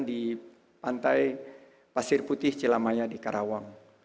di pantai pasir putih celamaya di karawang